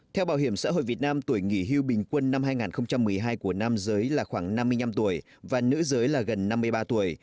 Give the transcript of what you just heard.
theo bảo hiểm xã hội việt nam tuổi nghỉ hưu bình quân năm hai nghìn một mươi hai của nam giới là khoảng năm mươi năm tuổi và nữ giới là gần năm mươi ba tuổi